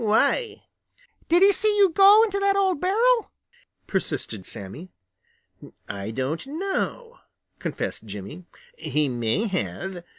Why?" "Did he see you go into that old barrel?" persisted Sammy. "I don't know," confessed Jimmy. "He may have.